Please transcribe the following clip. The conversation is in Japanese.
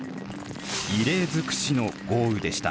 異例づくしの豪雨でした。